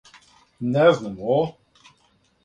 Не знам о?